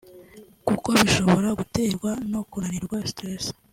kuko bishobora guterwa no kunanirwa (stress)